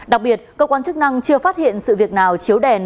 đặc biệt cơ quan chức năng chưa phát hiện sự việc nào chiếu đèn